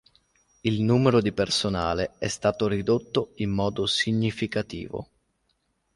Il numero di personale è stato ridotto in modo significativo.